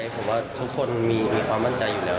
ผมว่าทุกคนมีความมั่นใจอยู่แล้ว